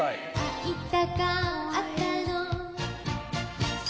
会いたかったの